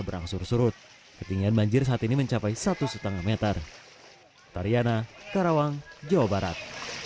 berangsur surut ketinggian banjir saat ini mencapai satu setengah meter tariana karawang jawa barat